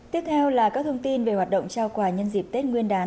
tiếp theo là các thông tin về hoạt động trao quà nhân dịp tết nguyên đán